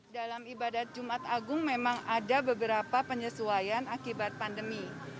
dalam ibadat jumat agung memang ada beberapa penyesuaian akibat pandemi